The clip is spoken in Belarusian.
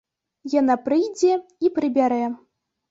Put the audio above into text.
Яна прыйдзе і прыбярэ.